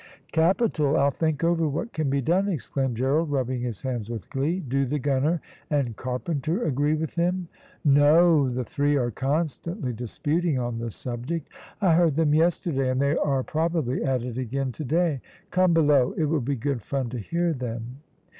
"Capital; I'll think over what can be done," exclaimed Gerald, rubbing his hands with glee; "do the gunner and carpenter agree with him?" "No; the three are constantly disputing on the subject. I heard them yesterday, and they are probably at it again to day. Come below; it will be good fun to hear them."